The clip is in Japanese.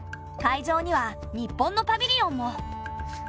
会場には日本のパビリオンも。